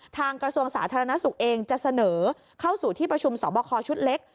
กระทรวงสาธารณสุขเองจะเสนอเข้าสู่ที่ประชุมสอบคอชุดเล็ก